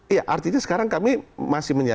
iya artinya sekarang kami masih menyada